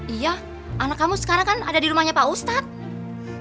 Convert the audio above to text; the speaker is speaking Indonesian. iya anak kamu sekarang kan ada di rumahnya pak ustadz